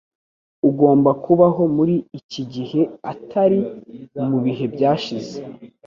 Ugomba kubaho muri iki gihe, atari mu bihe byashize.